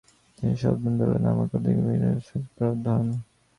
তিনি সপ্তম Dalai Lama কর্ত্রিক ভিক্ষুর শপথ প্রাপ্ত হন।